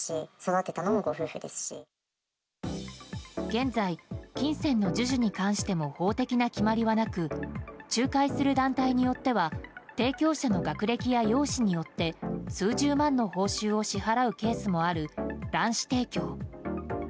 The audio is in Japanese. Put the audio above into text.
現在、金銭の授受に関しても法的な決まりはなく仲介する団体によっては提供者の学歴や容姿によって数十万の報酬を支払うケースもある、卵子提供。